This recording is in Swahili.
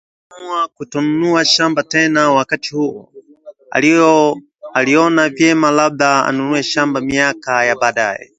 Akaamua kutonunua shamba tena wakati huo , aliona vyema labda anunue shamba miaka ya baadaye